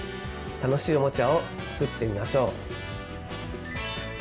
楽しいおもちゃを作ってみましょう！